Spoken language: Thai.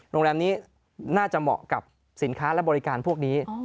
โรงแรมนี้น่าจะเหมาะกับสินค้าและบริการพวกนี้